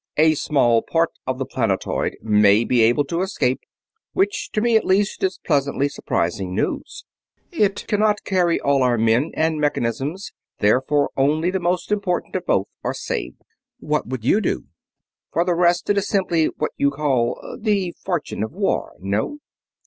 "A small part of the planetoid may be able to escape; which, to me at least, is pleasantly surprising news. It cannot carry all our men and mechanisms, therefore only the most important of both are saved. What would you? For the rest it is simply what you call 'the fortune of war,' no?"